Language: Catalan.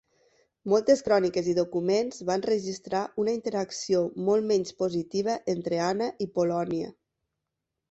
Moltes cròniques i documents van registrar una interacció molt menys positiva entre Anna i Polònia.